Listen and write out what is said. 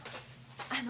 あの。